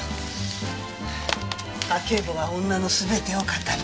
家計簿は女の全てを語る。